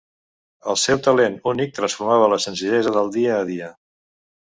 El seu talent únic transformava la senzillesa del dia a dia.